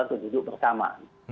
untuk duduk bersama